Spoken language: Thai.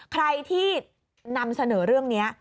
ใครที่นำเสนอเรื่องนี้